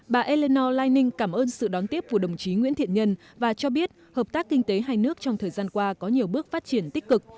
bà eleno laiing cảm ơn sự đón tiếp của đồng chí nguyễn thiện nhân và cho biết hợp tác kinh tế hai nước trong thời gian qua có nhiều bước phát triển tích cực